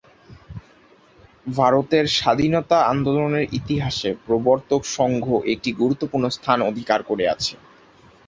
ভারতের স্বাধীনতা আন্দোলনের ইতিহাসে প্রবর্তক সংঘ একটি গুরুত্বপূর্ণ স্থান অধিকার করে আছে।